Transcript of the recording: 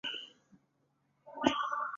初级教育应属义务性质。